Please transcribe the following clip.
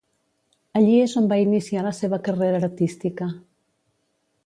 Allí és on va iniciar la seva carrera artística.